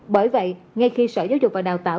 bởi vậy ngay khi sở giáo dục và đào tạo